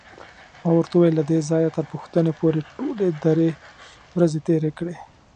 ما ورته وویل: له دې ځایه تر پوښتنې پورې ټولې درې ورځې تېرې کړې.